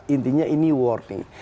intinya ini warning